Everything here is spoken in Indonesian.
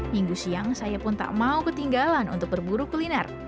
minggu siang saya pun tak mau ketinggalan untuk berburu kuliner